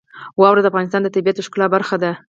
واوره د افغانستان د طبیعت د ښکلا برخه ده.